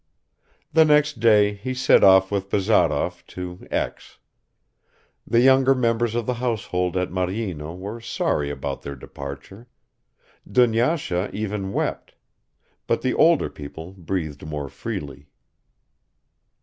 The next day he set off with Bazarov to X. The younger members of the household at Maryino were sorry about their departure; Dunyasha even wept ... but the older people breathed more freely.